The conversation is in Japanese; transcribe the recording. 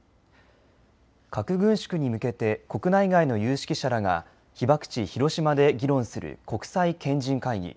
核軍縮に向けて国内外の有識者らが被爆地広島で議論する国際賢人会議。